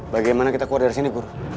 bagaimana kita keluar dari sini guru